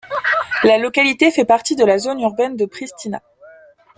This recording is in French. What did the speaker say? La localité fait partie de la zone urbaine de Pristina.